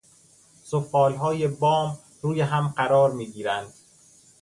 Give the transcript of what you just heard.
سفالهای بام روی هم قرار میگیرند.